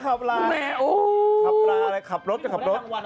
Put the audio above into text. ขับร้าแต่จะขับรถ